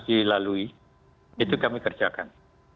dilalui itu kami kerjakan